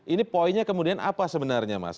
ini poinnya kemudian apa sebenarnya mas